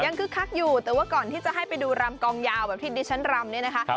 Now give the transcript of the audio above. คึกคักอยู่แต่ว่าก่อนที่จะให้ไปดูรำกองยาวแบบที่ดิฉันรำเนี่ยนะคะ